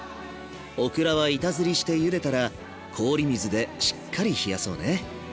オクラは板ずりしてゆでたら氷水でしっかり冷やそうね。